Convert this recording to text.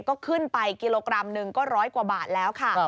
ก็ขึ้นไปกิโลกรัมหนึ่งก็ร้อยกว่าบาทแล้วค่ะ